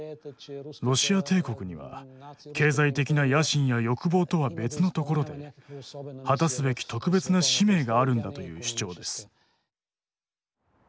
ロシア帝国には経済的な野心や欲望とは別のところで果たすべき特別な使命があるんだという主張です。